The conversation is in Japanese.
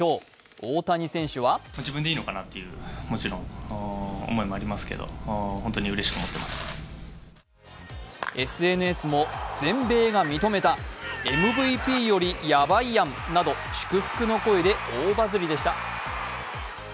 大谷選手はＳＮＳも、全米が認めた、ＭＶＰよりやばいやんと祝福の声で大バズりでした。